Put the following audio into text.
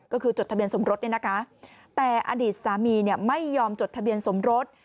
ก็คือจดทะเบียนสมรสเนี่ยนะคะแต่อดีตสามีไม่ยอมจดทะเบียนสมรส